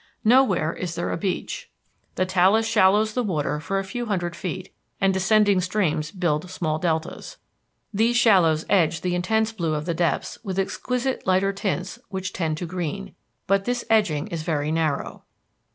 Nowhere is there a beach. The talus shallows the water for a few hundred feet, and descending streams build small deltas. These shallows edge the intense blue of the depths with exquisite lighter tints which tend to green. But this edging is very narrow.